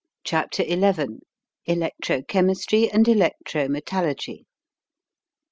CHAPTER XL ELECTRO CHEMISTRY AND ELECTRO METALLURGY.